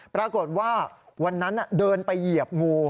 ปรากฏว่าวันนั้นเดินไปเหยียบงู